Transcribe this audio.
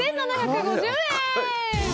６７５０円。